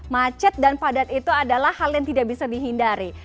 macet dan padat itu adalah hal yang tidak bisa dihindari